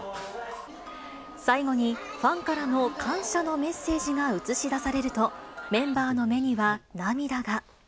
最後に、ファンからの感謝のメッセージが映し出されると、メンバーの目には涙が。